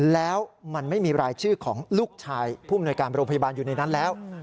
แล้วมันไม่มีรายชื่อของลูกชายผู้มนวยการโรงพยาบาลอยู่ในนั้นแล้ว